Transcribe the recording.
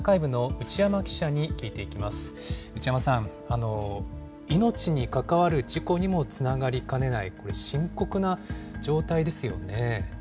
内山さん、命に関わる事故にもつながりかねない、深刻な状態ですよね。